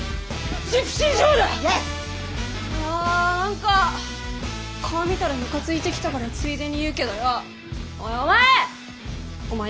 あ何か顔見たらムカついてきたからついでに言うけどよおいお前！